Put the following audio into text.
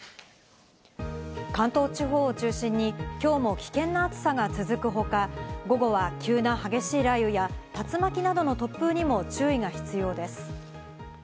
関東地方を中心にきょうも危険な暑さが続く他、午後は急な激しい雷雨や竜巻などの突風にも注意が必要です。